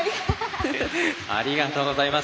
ありがとうございます。